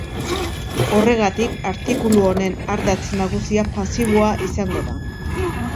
Horregatik, artikulu honen ardatz nagusia Pasiboa izango da.